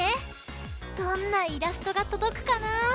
どんなイラストがとどくかな？